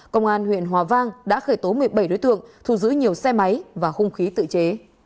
công an huyện hòa vang đã khởi tố một mươi bảy đối tượng thu giữ nhiều xe máy và hung khí tự chế